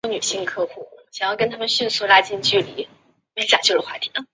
吕利人口变化图示